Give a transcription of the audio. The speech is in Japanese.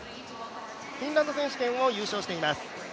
フィンランド選手権を優勝しています。